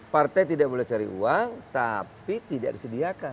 partai tidak boleh cari uang tapi tidak disediakan